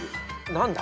何だ？